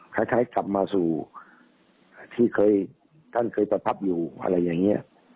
คล้ายกลับมาสู่ที่เคยท่านเคยประทับอยู่อะไรอย่างนี้